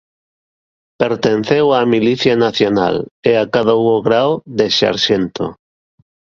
Pertenceu á Milicia Nacional e acadou o grao de sarxento.